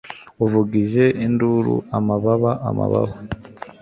Wavugije induru Amababa amababa